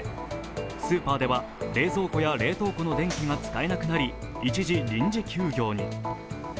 スーパーでは冷蔵庫や冷凍庫の電気が使えなくなり、一時臨時休業に。